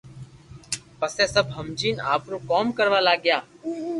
پسي سب ھمجين آپرو ڪوم ڪروا لاگيا